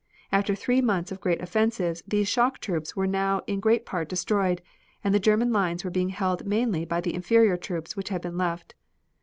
After three months of great offensives these shock troops were now in great part destroyed, and the German lines were being held mainly by the inferior troops which had been left.